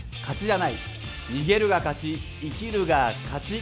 逃げるが勝ち生きるが勝ち。